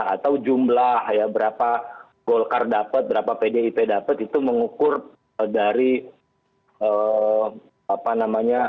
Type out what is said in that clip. atau jumlah ya berapa golkar dapat berapa pdip dapat itu mengukur dari apa namanya